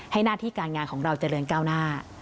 หน้าที่การงานของเราเจริญก้าวหน้า